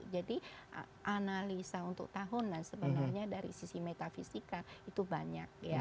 jadi analisa untuk tahunan sebenarnya dari sisi metafisika itu banyak